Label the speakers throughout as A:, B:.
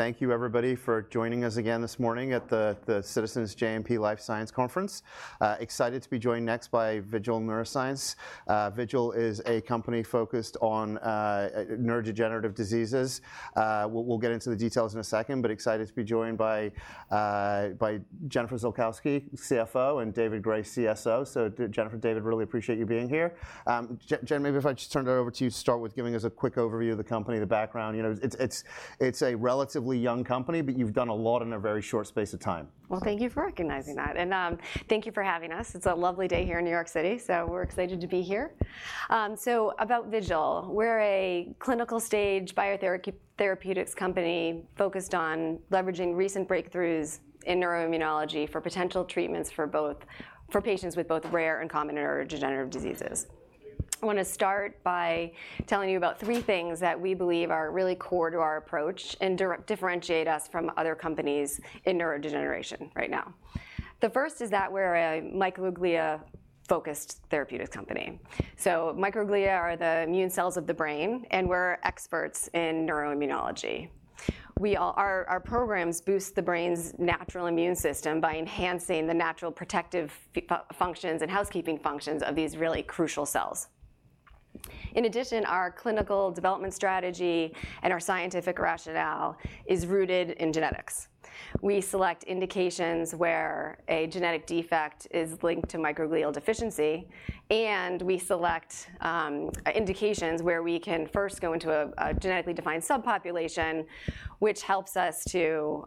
A: Thank you, everybody, for joining us again this morning at the Citizens JMP Life Sciences Conference. Excited to be joined next by Vigil Neuroscience. Vigil is a company focused on neurodegenerative diseases. We'll get into the details in a second, but excited to be joined by Jennifer Ziolkowski, CFO, and David Gray, CSO. So Jennifer, David, really appreciate you being here. Jennifer, maybe if I just turned it over to you to start with giving us a quick overview of the company, the background. You know, it's a relatively young company, but you've done a lot in a very short space of time.
B: Well, thank you for recognizing that. And thank you for having us. It's a lovely day here in New York City, so we're excited to be here. So about Vigil, we're a clinical stage biotherapeutics company focused on leveraging recent breakthroughs in neuroimmunology for potential treatments for patients with both rare and common neurodegenerative diseases. I wanna start by telling you about three things that we believe are really core to our approach, and differentiate us from other companies in neurodegeneration right now. The first is that we're a microglia-focused therapeutic company. So, microglia are the immune cells of the brain, and we're experts in neuroimmunology. Our programs boost the brain's natural immune system by enhancing the natural protective functions and housekeeping functions of these really crucial cells. In addition, our clinical development strategy and our scientific rationale is rooted in genetics. We select indications where a genetic defect is linked to microglial deficiency, and we select indications where we can first go into a genetically defined subpopulation, which helps us to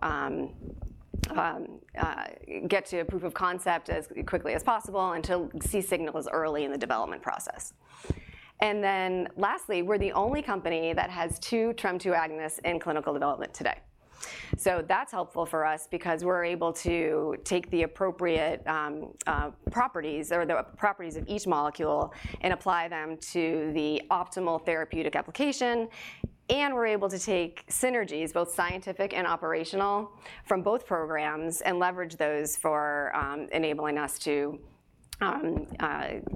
B: get to a proof of concept as quickly as possible and to see signals early in the development process. And then lastly, we're the only company that has two TREM2 agonists in clinical development today. So that's helpful for us because we're able to take the appropriate properties, or the properties of each molecule and apply them to the optimal therapeutic application, and we're able to take synergies, both scientific and operational, from both programs and leverage those for enabling us to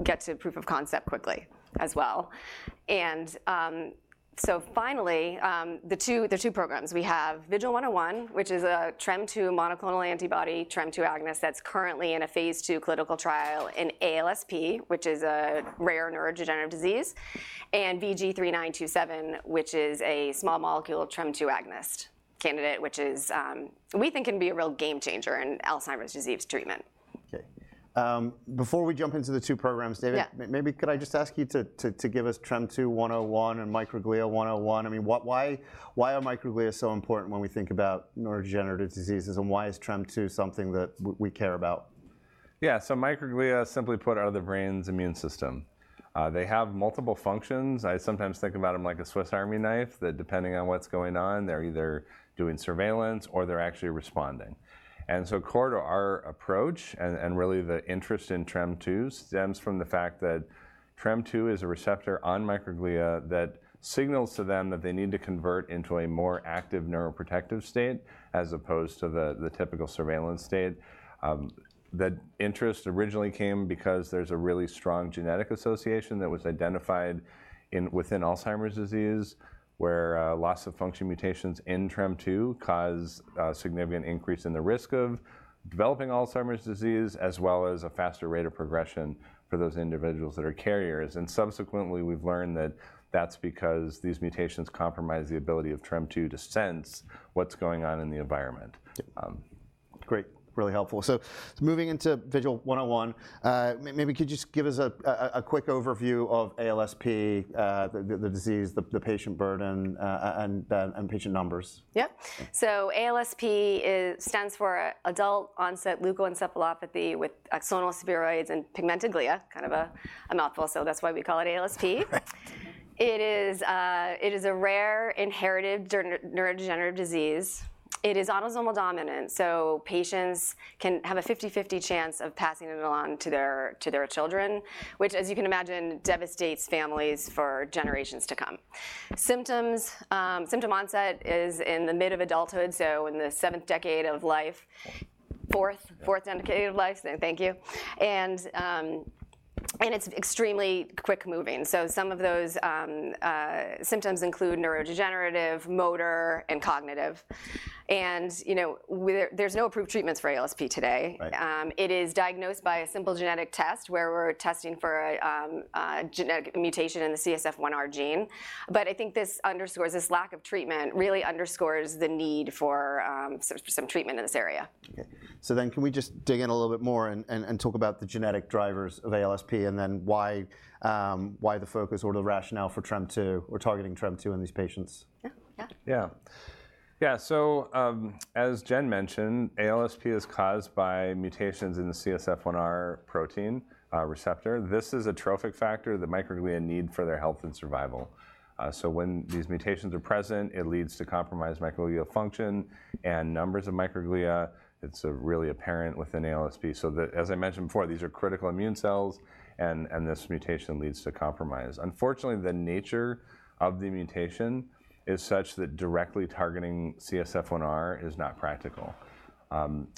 B: get to proof of concept quickly as well. So finally, the two programs. We have VGL101, which is a TREM2 monoclonal antibody, TREM2 agonist, that's currently in a phase 2 clinical trial in ALSP, which is a rare neurodegenerative disease, and VG-3927, which is a small molecule TREM2 agonist candidate, which is, we think can be a real game changer in Alzheimer's disease treatment.
A: Okay. Before we jump into the two programs, David-
B: Yeah....
A: Maybe could I just ask you to give us TREM2 101 and microglia 101? I mean, what, why, why are microglia so important when we think about neurodegenerative diseases, and why is TREM2 something that we care about?
C: Yeah. So microglia, simply put, are the brain's immune system. They have multiple functions. I sometimes think about them like a Swiss Army knife, that depending on what's going on, they're either doing surveillance or they're actually responding. So core to our approach, and really the interest in TREM2s, stems from the fact that TREM2 is a receptor on microglia that signals to them that they need to convert into a more active neuroprotective state, as opposed to the typical surveillance state. The interest originally came because there's a really strong genetic association that was identified within Alzheimer's disease, where loss-of-function mutations in TREM2 cause a significant increase in the risk of developing Alzheimer's disease, as well as a faster rate of progression for those individuals that are carriers. Subsequently, we've learned that that's because these mutations compromise the ability of TREM2 to sense what's going on in the environment.
A: Yeah.
C: Um-
A: Great. Really helpful. So moving into VGL101, maybe could you just give us a quick overview of ALSP, the disease, the patient burden, and patient numbers?
B: Yep. So ALSP is, stands for Adult-onset Leukoencephalopathy with Axonal Spheroids and Pigmented Glia. Kind of a mouthful, so that's why we call it ALSP. It is a rare inherited neurodegenerative disease. It is autosomal dominant, so patients can have a 50/50 chance of passing it along to their children, which, as you can imagine, devastates families for generations to come. Symptoms, symptom onset is in the mid of adulthood, so in the seventh decade of life. Fourth?
C: Yeah.
B: Fourth and fifth decade of life. So thank you. And it's extremely quick-moving. So some of those symptoms include neurodegenerative, motor, and cognitive. And, you know, we... there's no approved treatments for ALSP today.
A: Right.
B: It is diagnosed by a simple genetic test, where we're testing for a genetic mutation in the CSF1R gene. But I think this underscores, this lack of treatment really underscores the need for some treatment in this area.
A: Okay. So then can we just dig in a little bit more and talk about the genetic drivers of ALSP, and then why the focus or the rationale for TREM2, or targeting TREM2 in these patients?
B: Yeah. Yeah.
C: Yeah. Yeah, so, as Jennifer mentioned, ALSP is caused by mutations in the CSF1R protein, receptor. This is a trophic factor that microglia need for their health and survival. So when these mutations are present, it leads to compromised microglial function and numbers of microglia. It's really apparent within ALSP. As I mentioned before, these are critical immune cells, and this mutation leads to compromise. Unfortunately, the nature of the mutation is such that directly targeting CSF1R is not practical.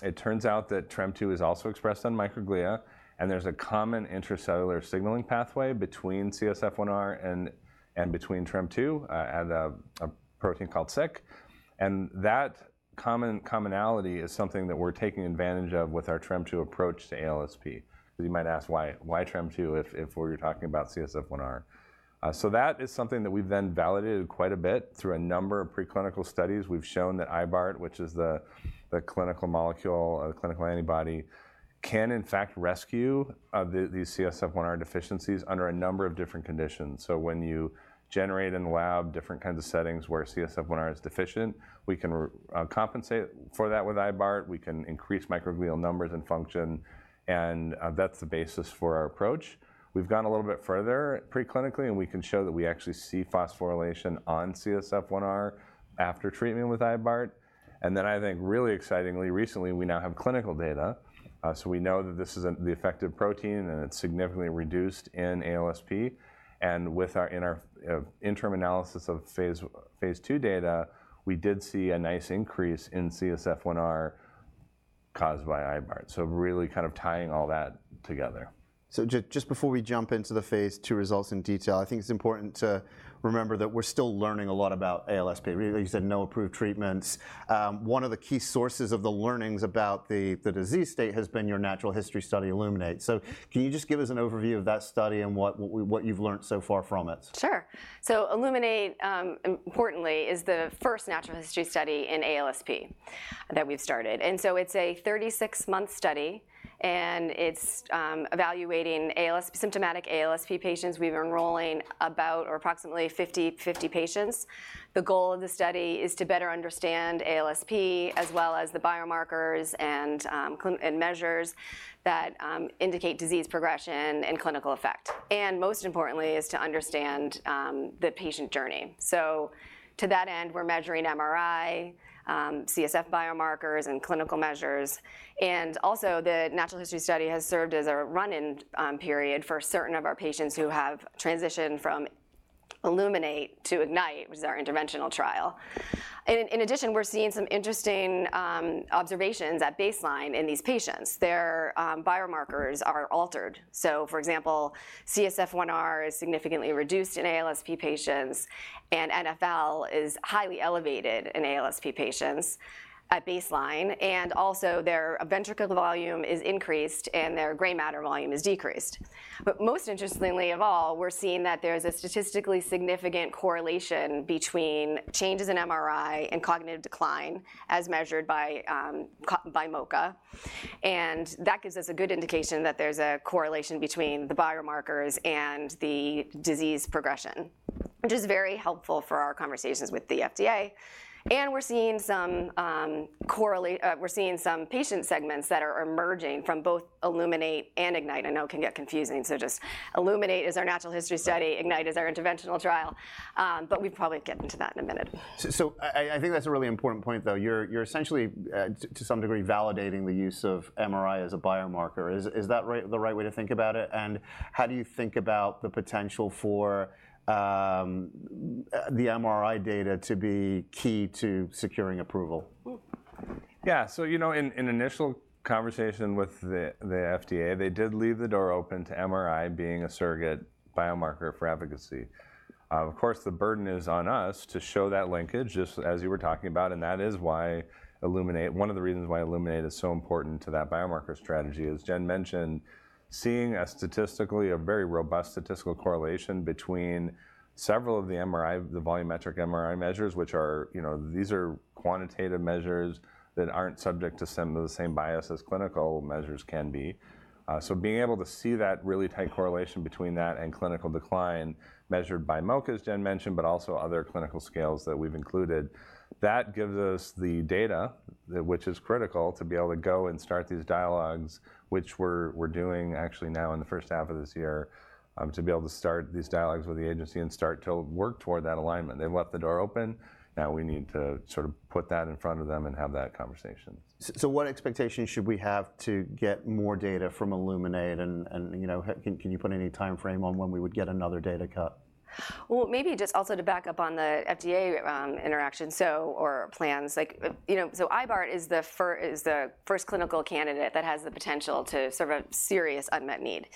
C: It turns out that TREM2 is also expressed on microglia, and there's a common intracellular signaling pathway between CSF1R and between TREM2 and a protein called Syk. And that common commonality is something that we're taking advantage of with our TREM2 approach to ALSP. You might ask why TREM2 if we're talking about CSF1R? So that is something that we've then validated quite a bit through a number of preclinical studies. We've shown that IBART, which is the clinical molecule, or the clinical antibody, can in fact rescue the CSF1R deficiencies under a number of different conditions. So when you generate in the lab different kinds of settings where CSF1R is deficient, we can compensate for that with IBART, we can increase microglial numbers and function, and that's the basis for our approach. We've gone a little bit further preclinically, and we can show that we actually see phosphorylation on CSF1R after treatment with IBART. And then, I think really excitingly, recently, we now have clinical data. So we know that this is the effective protein, and it's significantly reduced in ALSP. And with our... In our interim analysis of phase 2 data, we did see a nice increase in CSF1R caused by IBART, so really kind of tying all that together.
A: So just before we jump into the phase 2 results in detail, I think it's important to remember that we're still learning a lot about ALSP. Really, you said no approved treatments. One of the key sources of the learnings about the, the disease state has been your natural history study, ILLUMINATE. So can you just give us an overview of that study and what what you've learned so far from it?
B: Sure. So ILLUMINATE, importantly, is the first natural history study in ALSP that we've started. And so it's a 36-month study, and it's evaluating symptomatic ALSP patients. We've been enrolling about or approximately 50 patients. The goal of the study is to better understand ALSP, as well as the biomarkers and clinical measures that indicate disease progression and clinical effect, and most importantly, is to understand the patient journey. So to that end, we're measuring MRI, CSF biomarkers, and clinical measures, and also, the natural history study has served as a run-in period for certain of our patients who have transitioned from ILLUMINATE to IGNITE, which is our interventional trial. And in addition, we're seeing some interesting observations at baseline in these patients. Their biomarkers are altered. So for example, CSF1R is significantly reduced in ALSP patients, and NfL is highly elevated in ALSP patients at baseline, and also, their ventricular volume is increased, and their gray matter volume is decreased. But most interestingly of all, we're seeing that there's a statistically significant correlation between changes in MRI and cognitive decline, as measured by MoCA, and that gives us a good indication that there's a correlation between the biomarkers and the disease progression, which is very helpful for our conversations with the FDA. And we're seeing some patient segments that are emerging from both ILLUMINATE and IGNITE. I know it can get confusing, so just ILLUMINATE is our natural history study, IGNITE is our interventional trial. But we'll probably get into that in a minute.
A: So, I think that's a really important point, though. You're essentially, to some degree, validating the use of MRI as a biomarker. Is that right, the right way to think about it? And how do you think about the potential for the MRI data to be key to securing approval?
C: Yeah, so, you know, in initial conversation with the FDA, they did leave the door open to MRI being a surrogate biomarker for advocacy. Of course, the burden is on us to show that linkage, just as you were talking about, and that is why ILLUMINATE, one of the reasons why ILLUMINATE is so important to that biomarker strategy. As Jen mentioned, seeing a statistically, a very robust statistical correlation between several of the MRI, the volumetric MRI measures, which are, you know, these are quantitative measures that aren't subject to some of the same bias as clinical measures can be. So being able to see that really tight correlation between that and clinical decline, measured by MoCA, as Jen mentioned, but also other clinical scales that we've included, that gives us the data, which is critical, to be able to go and start these dialogues, which we're doing actually now in the first half of this year, to be able to start these dialogues with the agency and start to work toward that alignment. They've left the door open, now we need to sort of put that in front of them and have that conversation.
A: So what expectations should we have to get more data from ILLUMINATE and, you know, can you put any timeframe on when we would get another data cut?
B: Well, maybe just also to back up on the FDA interaction, so, or plans, like, you know, so IBART is the first clinical candidate that has the potential to serve a serious unmet need.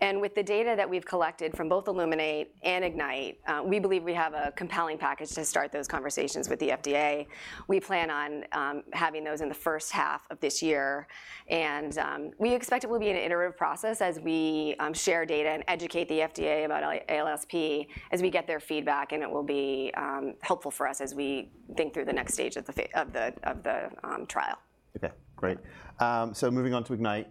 B: And with the data that we've collected from both ILLUMINATE and IGNITE, we believe we have a compelling package to start those conversations with the FDA. We plan on having those in the first half of this year, and we expect it will be an iterative process as we share data and educate the FDA about ALSP, as we get their feedback, and it will be helpful for us as we think through the next stage of the trial.
A: Okay, great. So moving on to IGNITE,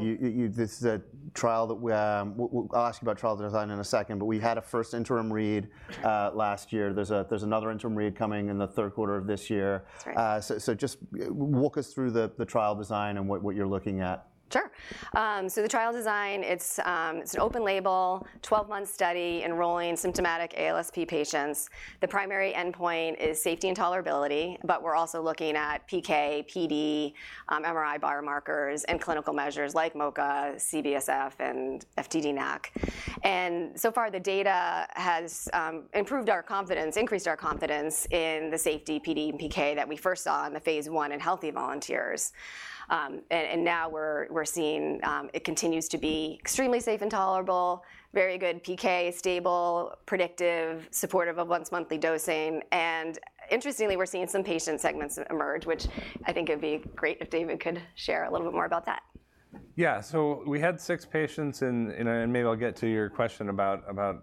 A: you, this is a trial that we, I'll ask you about trial design in a second, but we had a first interim read last year. There's another interim read coming in the third quarter of this year.
B: That's right.
A: So, just walk us through the trial design and what you're looking at?
B: Sure. So the trial design, it's an open-label, 12-month study, enrolling symptomatic ALSP patients. The primary endpoint is safety and tolerability, but we're also looking at PK, PD, MRI biomarkers, and clinical measures like MoCA, CBSF, and FTD-NACC. So far, the data has improved our confidence, increased our confidence in the safety, PD, and PK that we first saw in the phase 1 in healthy volunteers. And now we're seeing it continues to be extremely safe and tolerable, very good PK, stable, predictive, supportive of once-monthly dosing, and interestingly, we're seeing some patient segments emerge, which I think it'd be great if David could share a little bit more about that.
C: Yeah, so we had 6 patients, and maybe I'll get to your question about,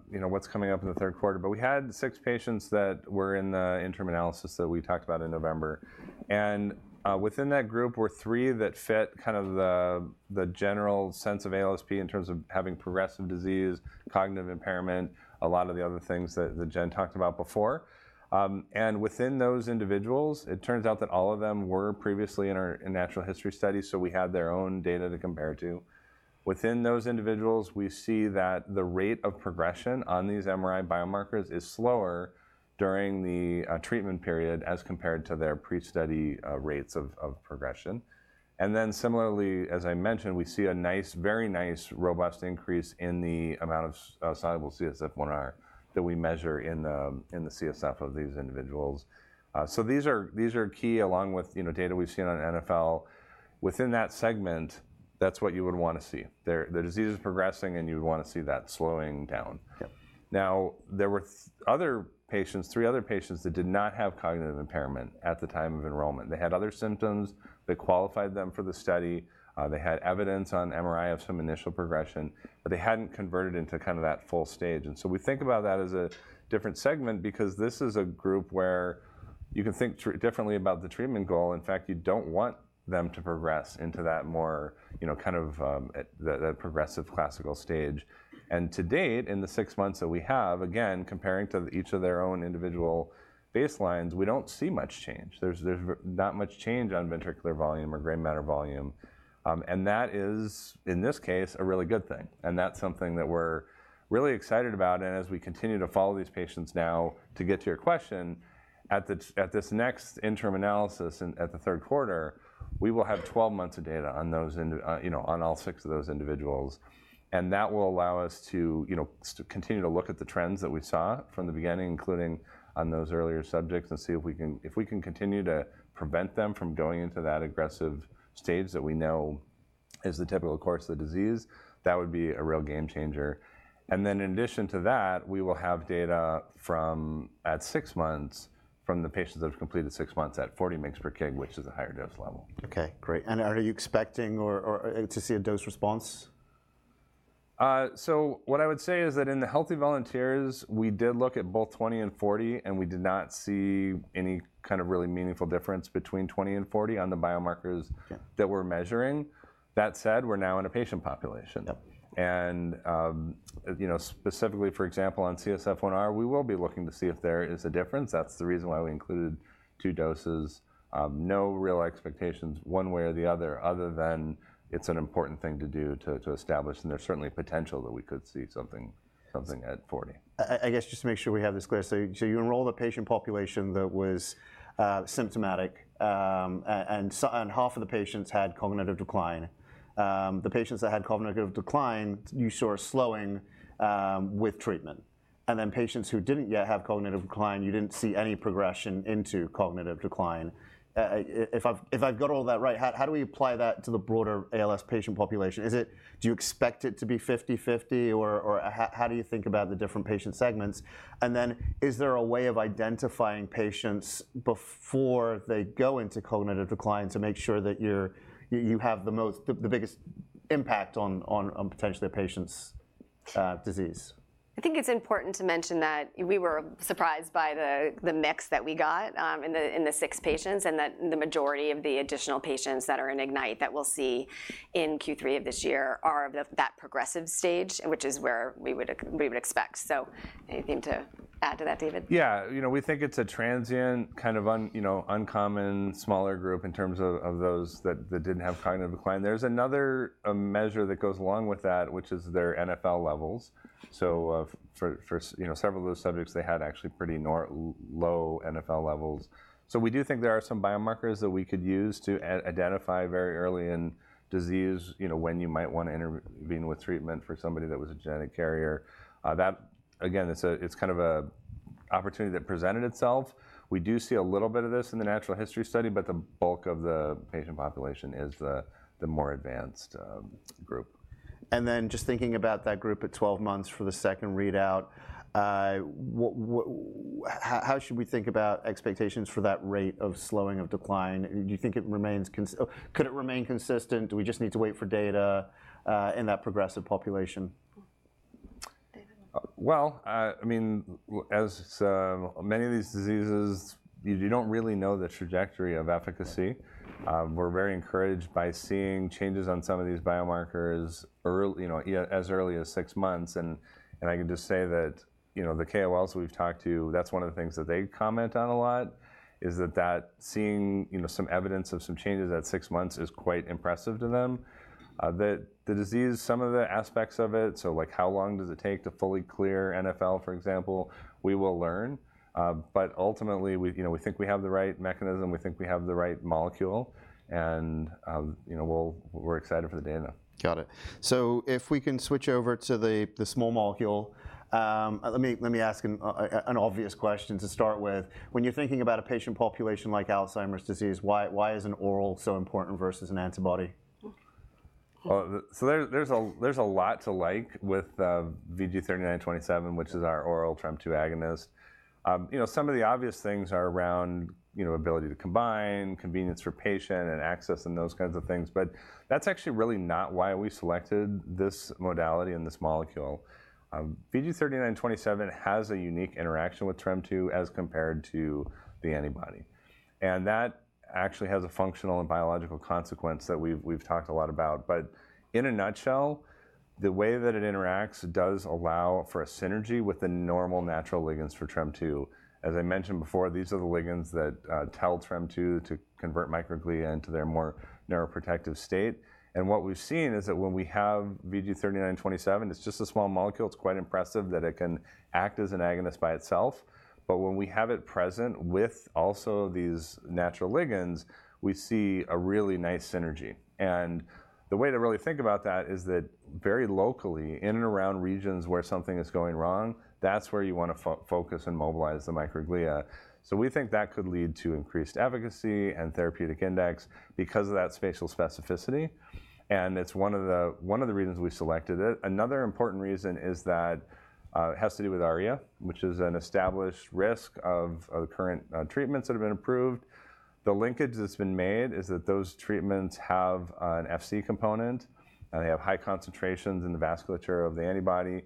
C: you know, what's coming up in the third quarter. But we had 6 patients that were in the interim analysis that we talked about in November, and within that group were three that fit kind of the general sense of ALSP in terms of having progressive disease, cognitive impairment, a lot of the other things that Jen talked about before. And within those individuals, it turns out that all of them were previously in our natural history study, so we had their own data to compare to. Within those individuals, we see that the rate of progression on these MRI biomarkers is slower during the treatment period as compared to their pre-study rates of progression. Similarly, as I mentioned, we see a nice, very nice, robust increase in the amount of soluble CSF1R that we measure in the CSF of these individuals. So these are key along with, you know, data we've seen on NfL. Within that segment, that's what you would wanna see. There, the disease is progressing, and you'd wanna see that slowing down.
A: Yep.
C: Now, there were other patients, three other patients, that did not have cognitive impairment at the time of enrollment. They had other symptoms that qualified them for the study. They had evidence on MRI of some initial progression, but they hadn't converted into kind of that full stage, and so we think about that as a different segment because this is a group where you can think differently about the treatment goal. In fact, you don't want them to progress into that more, you know, kind of, the progressive classical stage. And to date, in the six months that we have, again, comparing to each of their own individual baselines, we don't see much change. There's not much change on ventricular volume or gray matter volume. And that is, in this case, a really good thing, and that's something that we're really excited about. And as we continue to follow these patients now, to get to your question, at this next interim analysis in, at the third quarter, we will have 12 months of data on those, you know, on all six of those individuals, and that will allow us to, you know, continue to look at the trends that we saw from the beginning, including on those earlier subjects, and see if we can... If we can continue to prevent them from going into that aggressive stage that we know is the typical course of the disease, that would be a real game changer. And then in addition to that, we will have data from, at six months, from the patients that have completed six months at 40 mg per kg, which is a higher dose level.
A: Okay, great. And are you expecting to see a dose response?
C: So what I would say is that in the healthy volunteers, we did look at both 20 and 40, and we did not see any kind of really meaningful difference between 20 and 40 on the biomarkers-
A: Yeah...
C: that we're measuring. That said, we're now in a patient population.
A: Yep.
C: You know, specifically, for example, on CSF1R, we will be looking to see if there is a difference. That's the reason why we included two doses. No real expectations one way or the other, other than it's an important thing to do to establish, and there's certainly potential that we could see something at 40.
A: I guess just to make sure we have this clear, so you enroll the patient population that was symptomatic, and half of the patients had cognitive decline. The patients that had cognitive decline, you saw a slowing with treatment, and then patients who didn't yet have cognitive decline, you didn't see any progression into cognitive decline. If I've got all that right, how do we apply that to the broader ALSP patient population? Is it? Do you expect it to be 50/50, or how do you think about the different patient segments? And then, is there a way of identifying patients before they go into cognitive decline to make sure that you have the most, the biggest impact on potentially a patient's disease?
B: I think it's important to mention that we were surprised by the mix that we got in the six patients, and that the majority of the additional patients that are in IGNITE that we'll see in Q3 of this year are of that progressive stage, which is where we would expect. So anything to add to that, David?
C: Yeah. You know, we think it's a transient, kind of you know, uncommon, smaller group in terms of those that didn't have cognitive decline. There's another measure that goes along with that, which is their NfL levels. So, for several of those subjects, they had actually pretty normal low NfL levels. So we do think there are some biomarkers that we could use to identify very early in disease, you know, when you might want to intervene with treatment for somebody that was a genetic carrier. That, again, it's kind of an opportunity that presented itself. We do see a little bit of this in the natural history study, but the bulk of the patient population is the more advanced group.
A: And then, just thinking about that group at 12 months for the second readout, how should we think about expectations for that rate of slowing of decline? Do you think it remains consistent? Could it remain consistent? Do we just need to wait for data in that progressive population?
B: David?
C: Well, I mean, as many of these diseases, you don't really know the trajectory of efficacy. We're very encouraged by seeing changes on some of these biomarkers early, you know, as early as six months. I can just say that, you know, the KOLs we've talked to, that's one of the things that they comment on a lot, is that seeing, you know, some evidence of some changes at six months is quite impressive to them that the disease, some of the aspects of it, so, like, how long does it take to fully clear NfL, for example, we will learn. But ultimately, we, you know, we think we have the right mechanism. We think we have the right molecule, and, you know, we'll we're excited for the data.
A: Got it. So if we can switch over to the small molecule, let me ask an obvious question to start with. When you're thinking about a patient population like Alzheimer’s disease, why is an oral so important versus an antibody?
C: Well, so there's a lot to like with VG-3927, which is our oral TREM2 agonist. You know, some of the obvious things are around, you know, ability to combine, convenience for patient, and access, and those kinds of things, but that's actually really not why we selected this modality and this molecule. VG-3927 has a unique interaction with TREM2 as compared to the antibody, and that actually has a functional and biological consequence that we've talked a lot about. But in a nutshell, the way that it interacts does allow for a synergy with the normal natural ligands for TREM2. As I mentioned before, these are the ligands that tell TREM2 to convert microglia into their more neuroprotective state. What we've seen is that when we have VG-3927, it's just a small molecule, it's quite impressive that it can act as an agonist by itself. But when we have it present with also these natural ligands, we see a really nice synergy. And the way to really think about that is that very locally, in and around regions where something is going wrong, that's where you wanna focus and mobilize the microglia. So we think that could lead to increased efficacy and therapeutic index because of that spatial specificity, and it's one of the, one of the reasons we selected it. Another important reason is that it has to do with ARIA, which is an established risk of the current treatments that have been approved. The linkage that's been made is that those treatments have an Fc component, and they have high concentrations in the vasculature of the antibody.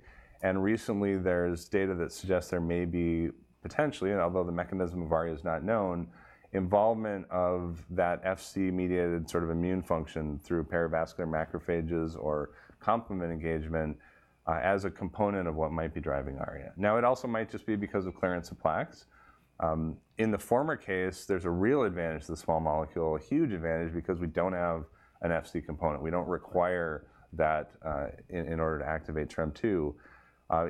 C: Recently, there's data that suggests there may be potentially, and although the mechanism of ARIA is not known, involvement of that Fc-mediated sort of immune function through perivascular macrophages or complement engagement, as a component of what might be driving ARIA. Now, it also might just be because of clearance of plaques. In the former case, there's a real advantage to the small molecule, a huge advantage because we don't have an Fc component. We don't require that, in order to activate TREM2.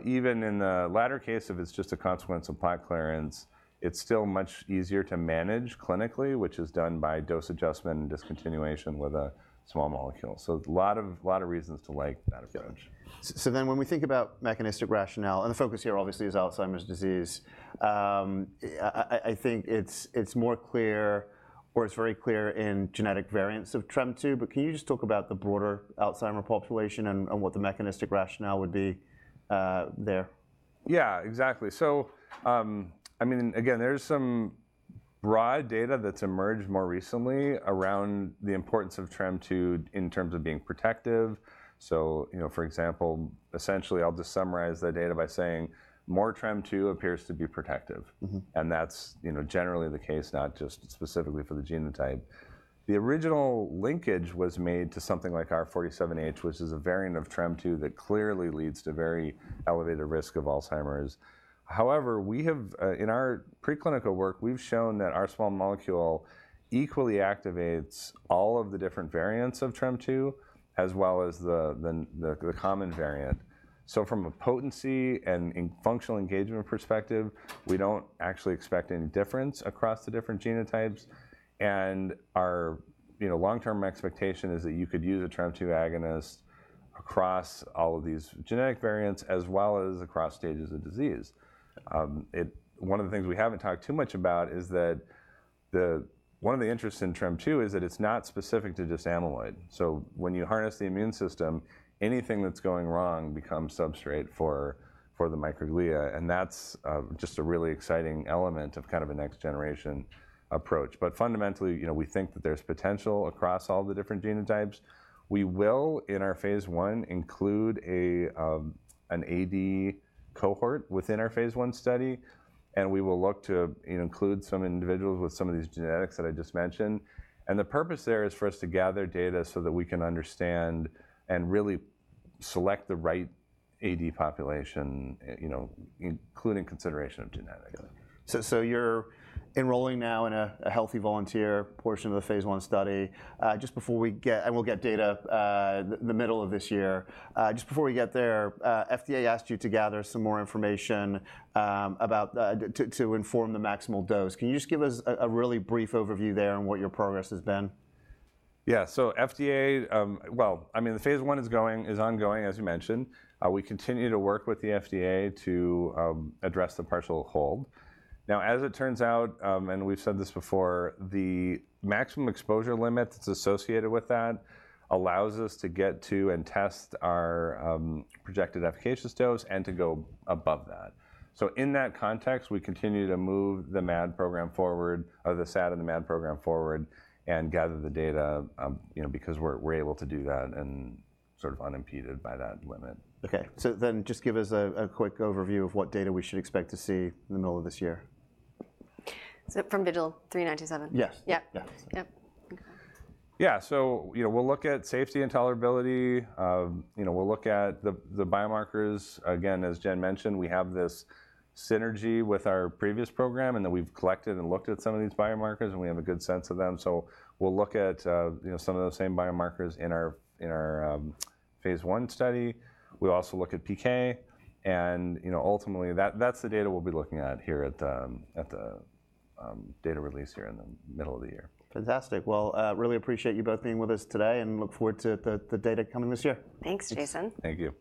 C: Even in the latter case, if it's just a consequence of plaque clearance, it's still much easier to manage clinically, which is done by dose adjustment and discontinuation with a small molecule. A lot of reasons to like that approach.
A: Yeah. So then when we think about mechanistic rationale, and the focus here, obviously, is Alzheimer's disease, I think it's more clear or it's very clear in genetic variants of TREM2, but can you just talk about the broader Alzheimer population and what the mechanistic rationale would be, there?
C: Yeah, exactly. So, I mean, again, there's some broad data that's emerged more recently around the importance of TREM2 in terms of being protective. So, you know, for example, essentially, I'll just summarize the data by saying, more TREM2 appears to be protective.
A: Mm-hmm.
C: That's, you know, generally the case, not just specifically for the genotype. The original linkage was made to something like R47H, which is a variant of TREM2 that clearly leads to very elevated risk of Alzheimer's. However, we have in our preclinical work, we've shown that our small molecule equally activates all of the different variants of TREM2, as well as the common variant. So from a potency and in functional engagement perspective, we don't actually expect any difference across the different genotypes. And our, you know, long-term expectation is that you could use a TREM2 agonist across all of these genetic variants, as well as across stages of disease. One of the things we haven't talked too much about is that one of the interests in TREM2 is that it's not specific to just amyloid. So when you harness the immune system, anything that's going wrong becomes substrate for the microglia, and that's just a really exciting element of kind of a next generation approach. But fundamentally, you know, we think that there's potential across all the different genotypes. We will, in our phase 1, include a, an AD cohort within our phase 1 study, and we will look to, you know, include some individuals with some of these genetics that I just mentioned. And the purpose there is for us to gather data so that we can understand and really select the right AD population, you know, including consideration of genetics.
A: Okay. So you're enrolling now in a healthy volunteer portion of the phase 1 study. Just before we get there, and we'll get data the middle of this year. Just before we get there, FDA asked you to gather some more information about to inform the maximal dose. Can you just give us a really brief overview there on what your progress has been?
C: Yeah. So, FDA. Well, I mean, the phase 1 is going, is ongoing, as you mentioned. We continue to work with the FDA to address the partial hold. Now, as it turns out, and we've said this before, the maximum exposure limit that's associated with that allows us to get to and test our projected efficacious dose, and to go above that. So in that context, we continue to move the MAD program forward, or the SAD and the MAD program forward, and gather the data, you know, because we're, we're able to do that, and sort of unimpeded by that limit.
A: Okay. So then just give us a quick overview of what data we should expect to see in the middle of this year.
B: So from VG-3927?
C: Yes.
B: Yep.
C: Yeah.
B: Yep. Okay.
C: Yeah, so, you know, we'll look at safety and tolerability. You know, we'll look at the biomarkers. Again, as Jen mentioned, we have this synergy with our previous program, and that we've collected and looked at some of these biomarkers, and we have a good sense of them. So we'll look at, you know, some of those same biomarkers in our phase 1 study. We'll also look at PK, and, you know, ultimately, that's the data we'll be looking at here at the data release here in the middle of the year.
A: Fantastic. Well, really appreciate you both being with us today, and look forward to the data coming this year.
B: Thanks, Jason.
C: Thank you.